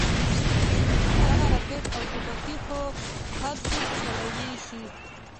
دغه راكټ او ټوپكې خو هرسوك چلوې شي.